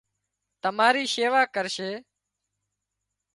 تماري شيوا ڪرشي